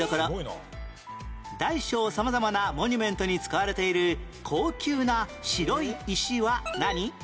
大小様々なモニュメントに使われている高級な白い石は何？